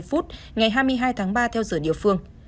phút ngày hai mươi hai tháng ba theo giờ địa phương